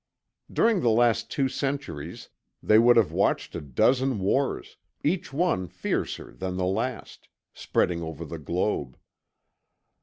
During the last two centuries, they would have watched a dozen wars, each one fiercer than the last, spreading over the globe.